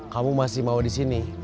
kamu masih mau disini